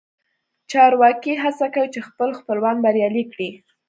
چارواکي هڅه کوي چې خپل خپلوان بریالي کړي